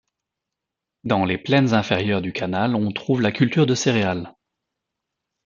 Dans les plaines inférieures du canal on trouve la culture de céréales.